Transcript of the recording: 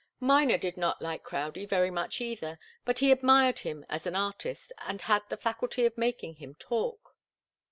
Miner did not like Crowdie very much either, but he admired him as an artist and had the faculty of making him talk.